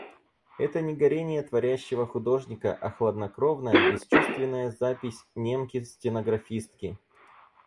Это не горение творящего художника, а хладнокровная, бесчувственная запись немки-стенографистки.